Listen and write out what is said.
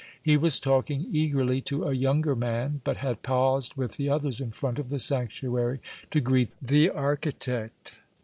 He was talking eagerly to a younger man, but had paused with the others in front of the sanctuary to greet the architect.